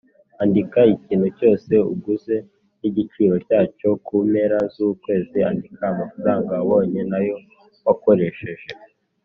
Andika ikintu cyose uguze n igiciro cyacyo Ku mpera z ukwezi andika amafaranga wabonye n ayo wakoresheje